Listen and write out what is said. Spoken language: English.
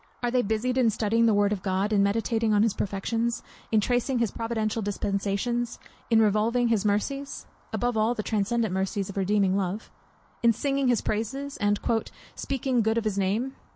Are they busied in studying the word of God, in meditating on his perfections, in tracing his providential dispensations, in admiring his works, in revolving his mercies, (above all, the transcendent mercies of redeeming love) in singing his praises, "and speaking good of his name?"